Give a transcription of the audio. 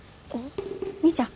みーちゃん